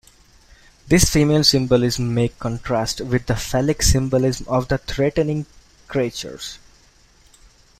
This female symbolism may contrast with the phallic symbolism of the threatening creatures.